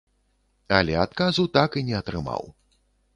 Але адказу так і не атрымаў.